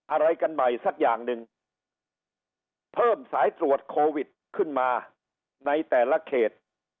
อะไรกันใหม่สักอย่างหนึ่งเพิ่มสายตรวจโควิดขึ้นมาในแต่ละเขต